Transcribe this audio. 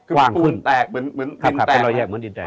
ขวางขึ้นขับถัดเป็นรอยแยกเหมือนดินแดก